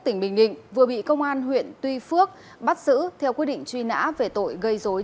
tỉnh bình định vừa bị công an huyện tuy phước bắt giữ theo quy định truy nã về tội gây dối